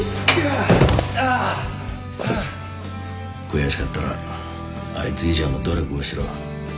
悔しかったらあいつ以上の努力をしろ。